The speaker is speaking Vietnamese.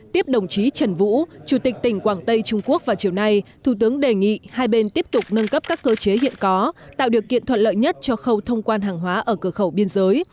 tiếp đồng chí trần vũ chủ tịch tỉnh quảng tây trung quốc vào chiều nay thủ tướng đề nghị hai bên tiếp tục nâng cấp các cơ chế hiện có tạo điều kiện thuận lợi nhất cho khâu thông quan hàng hóa ở cửa khẩu biên giới